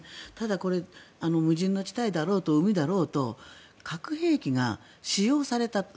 ただ、無人の地帯だろうと海だろうと核兵器が使用された。